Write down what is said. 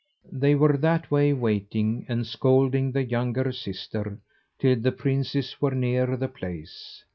They were that way waiting, and scolding the younger sister, till the princes were near the place.